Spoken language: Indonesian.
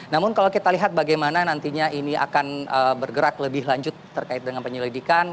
namun kalau kita lihat bagaimana nantinya ini akan bergerak lebih lanjut terkait dengan penyelidikan